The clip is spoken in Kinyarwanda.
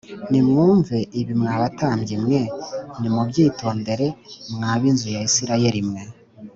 Nimwumve ibi mwa batambyi mwe nimubyitondere mwa b’inzu ya Isirayeli mwe